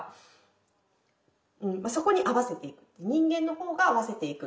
そこに合わせていく人間の方が合わせていく。